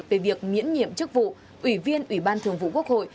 về việc miễn nhiệm chức vụ ủy viên ủy ban thường vụ quốc hội